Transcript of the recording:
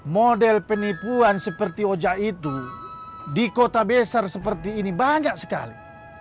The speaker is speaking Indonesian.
model penipuan seperti oja itu di kota besar seperti ini banyak sekali